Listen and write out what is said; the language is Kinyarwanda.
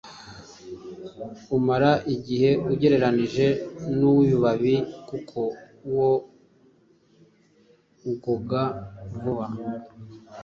umara igihe ugereranyije n’uw’ibibabi kuko wo ugaga vuba